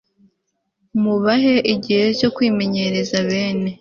Mubahe igihe cyo kwimenyereza bene